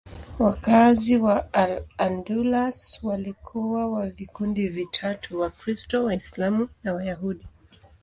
Wakazi wa Al-Andalus walikuwa wa vikundi vitatu: Wakristo, Waislamu na Wayahudi.